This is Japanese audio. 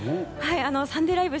「サンデーＬＩＶＥ！！」